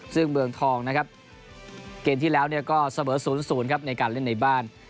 ซึ่งเมืองทองนะครับเกมที่แล้วก็เสมอ๐๐ครับในการเล่นในบ้าน